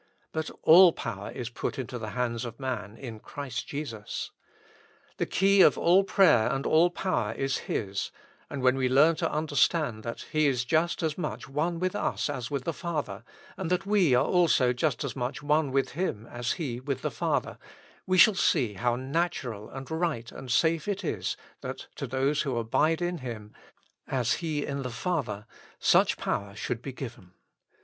But all power is put into the hands of man in Christ Jesus. The key of all prayer and all power is His, and when we learn to under stand that He is just as much one with us as with the Father, and that we are also just as much one with Him as He with the Father, we shall see how natural and right and safe it is that to those who abide in Him as He in the Father, such power should be given.